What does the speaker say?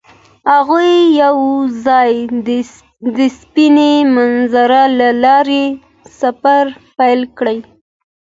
هغوی یوځای د سپین منظر له لارې سفر پیل کړ.